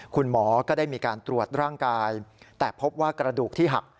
คุณหมอก็ได้มีการตรวจร่างกายแต่พบว่ากระดูกที่หัก